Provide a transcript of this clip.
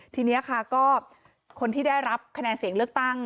ทีนี้ค่ะก็คนที่ได้รับคะแนนเสียงเลือกตั้ง